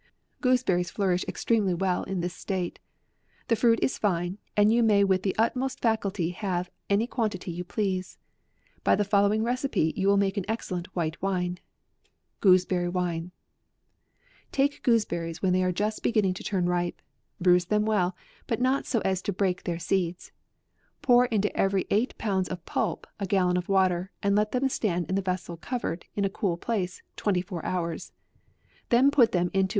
Gooseberries flourish extremely w T ell in this state. The fruit is fine, and you may with the utmost facility have any quantity you please. By the following recipe you will make an excellent white wine. GOOSEBERRY WINE. " Take gooseberries when they are just beginning to turn ripe, bruise them well, but not so as to break their seeds, pour to every eight pounds of pulp a gallon of water, and let them stand in the vessel covered, in a cool place, twenty four hours, then put them into AUGUSl 1